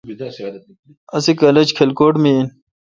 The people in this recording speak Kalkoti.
اسی کالج کھلکوٹ می این